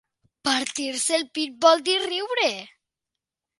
Partir-se el pit vol dir riure.